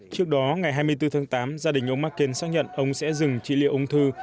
trước đó ngày hai mươi bốn tháng tám gia đình ông mccain xác nhận ông sẽ dừng trị liệu ung thư